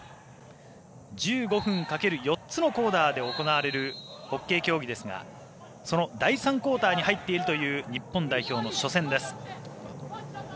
１５分かける４つのクオーターで行われるホッケー競技ですがその第３クオーターに入っているという日本代表の初戦です。